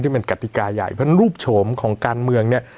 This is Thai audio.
มันเป็นกติกาใหญ่เพราะฉะนั้นรูปโฉมของการเมืองเนี่ย